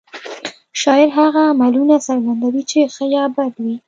شاعر هغه عملونه څرګندوي چې ښه یا بد وي